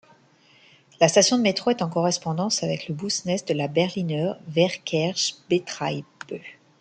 La station de métro est en correspondance avec le Busnetz de la Berliner Verkehrsbetriebe.